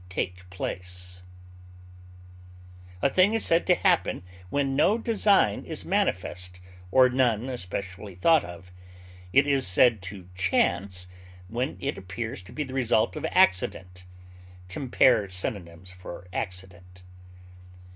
betide, fall, A thing is said to happen when no design is manifest, or none especially thought of; it is said to chance when it appears to be the result of accident (compare synonyms for ACCIDENT).